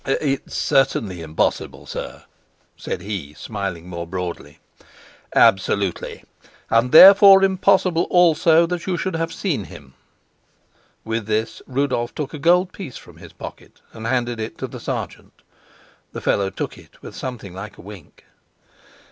"It's certainly impossible, sir," said he, smiling more broadly. "Absolutely. And therefore impossible also that you should have seen him." With this Rudolf took a gold piece from his pocket and handed it to the sergeant. The fellow took it with something like a wink.